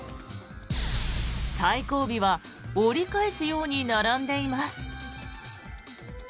最後尾は折り返すように並んでいます。